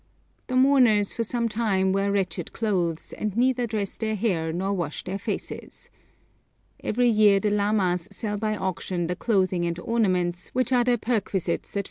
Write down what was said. The mourners for some time wear wretched clothes, and neither dress their hair nor wash their faces. Every year the lamas sell by auction the clothing and ornaments, which are their perquisites at funerals.